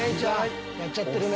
やっちゃってるね。